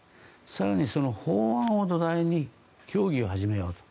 更にその法案を土台に協議を始めようと。